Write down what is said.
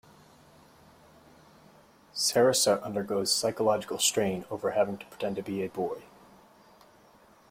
Sarasa undergoes psychological strain over having to pretend to be a boy.